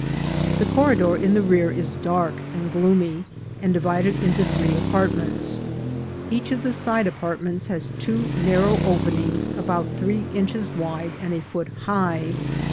The corridor in the rear is dark and gloomy, and di vided into three apartments. Each of the side apart ments has two narrow openings about three inches wide and a foot high.